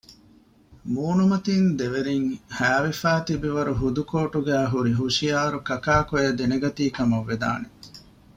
މޫނުމަތީން ދެވެރީން ހައިވެފައި ތިބި ވަރު ހުދުކޯޓުގައި ހުރި ހުޝިޔާރު ކަކާކޮއި ދެނެގަތީ ކަމަށް ވެދާނެ